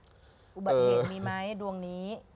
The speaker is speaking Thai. อุบัติเหตุมีไหมดวงนี้